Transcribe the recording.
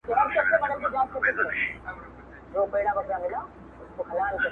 د طاقت له تنستې یې زړه اودلی!!